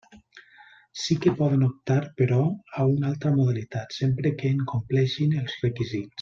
Sí que poden optar, però, a una altra modalitat sempre que en compleixin els requisits.